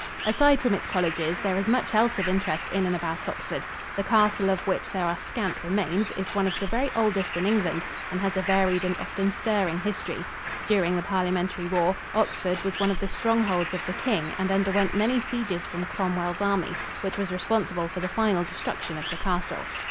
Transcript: Aside from its colleges, there is much else of interest in and about Oxford. The castle, of which there are scant remains, is one of the very oldest in England and has a varied and often stirring history. During the Parliamentary War, Oxford was one of the strongholds of the king and underwent many sieges from Cromwell's army which was responsible for the final destruction of the castle.